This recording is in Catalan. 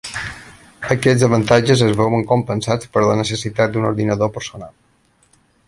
Aquests avantatges es veuen compensats per la necessitat d'un ordinador personal.